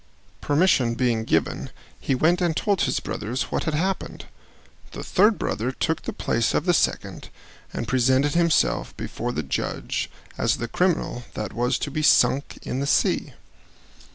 Permission being given, he went and told his brothers what had happened. The third brother took the place of the second and presented himself before the judge as the criminal that was to be sunk in the sea.